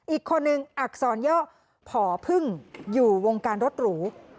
อีกคนนึงอักษรย่อผอพึ่งอยู่วงการรถหรู